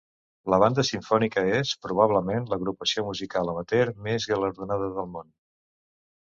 La Banda Simfònica és, probablement, l'agrupació musical amateur més guardonada del món.